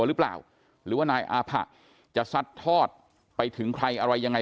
หรือเปล่าหรือว่านายอาผะจะสัดทอดไปถึงใครอะไรยังไง